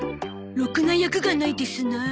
ろくな役がないですなあ。